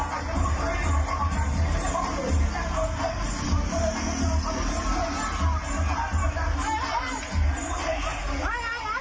มันทำให้เขาแล้วไหม